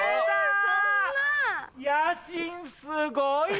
すごい。え！